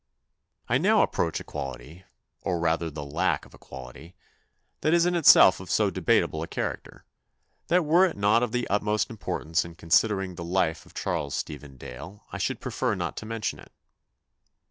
I now approach a quality, or rather the lack of a quality, that is in itself of so debatable a character, that were it not of the utmost importance in considering the life of Charles Stephen Dale I should prefer not to mention it.